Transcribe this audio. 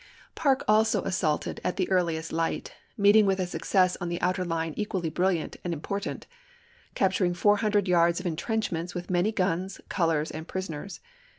Parke also assaulted at the earliest light, meeting with a success on the outer line equally brilliant and important, capturing four hundred yards of intrenchments with many guns, colors, and prison ers.